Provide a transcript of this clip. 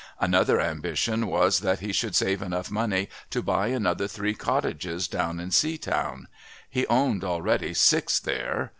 Another ambition was that he should save enough money to buy another three cottages down in Seatown. He owned already six there.